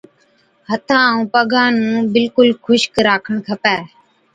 هٿان ائُون پگان نُون بِلڪُل خُشڪ راکڻ کپَي،